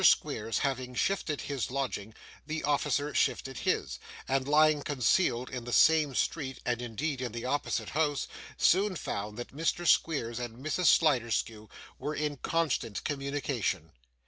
Squeers having shifted his lodging, the officer shifted his, and lying concealed in the same street, and, indeed, in the opposite house, soon found that Mr. Squeers and Mrs. Sliderskew were in constant communication.